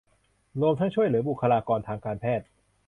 รวมทั้งช่วยเหลือบุคคลากรทางการแพทย์